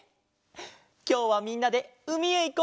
きょうはみんなでうみへいこう！